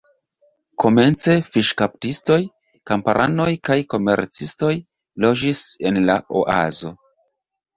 Komence fiŝkaptistoj, kamparanoj kaj komercistoj loĝis en la oazo.